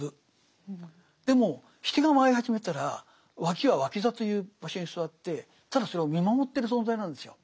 でもシテが舞い始めたらワキはワキ座という場所に座ってただそれを見守ってる存在なんですよ。